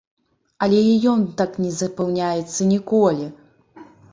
Але і ён так не запаўняецца ніколі!